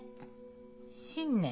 「新年」。